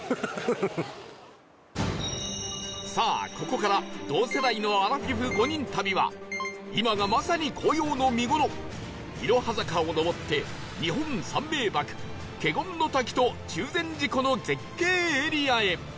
さあここから同世代のアラフィフ５人旅は今がまさに紅葉の見頃いろは坂を上って日本三名瀑華厳の滝と中禅寺湖の絶景エリアへ